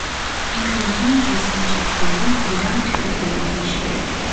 İnklüzyon cisimcikleri viral türe göre değişir.